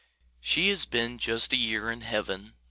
She has been just a year in Heaven.